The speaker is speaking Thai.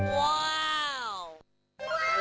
ว้าว